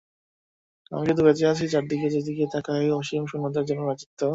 আমি শুধু বেঁচে আছি, চারদিকে যেদিকে তাকাই অসীম শূন্যতার যেন রাজত্ব।